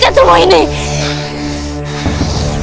kamu belum sembuh benar